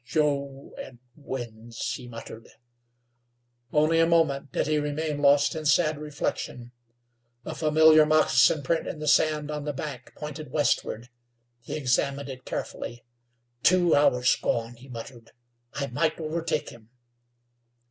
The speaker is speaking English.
"Joe an' Winds," he muttered. Only a moment did he remain lost in sad reflection. A familiar moccasin print in the sand on the bank pointed westward. He examined it carefully. "Two hours gone," he muttered. "I might overtake him."